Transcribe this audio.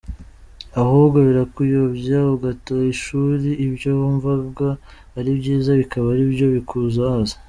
Ahubwo birakuyobya ugata ishuri, ibyo wumvaga ari byiza bikaba ari byo bikuzahaza”.